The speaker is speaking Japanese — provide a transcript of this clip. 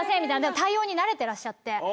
みたいな対応に慣れてらっしゃって。